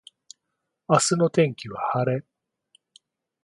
明日の天気は晴れ。